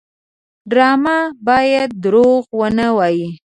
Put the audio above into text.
ډرامه باید دروغ ونه وایي